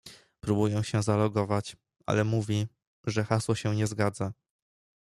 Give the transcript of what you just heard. Próbuję się zalogować, ale mówi, że hasło się nie zgadza.